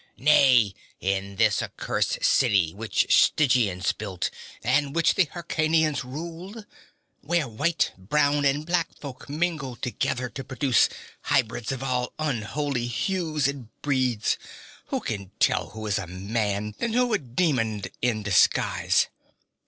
Nay, in this accursed city which Stygians built and which Hyrkanians rule where white, brown and black folk mingle together to produce hybrids of all unholy hues and breeds who can tell who is a man, and who a demon in disguise?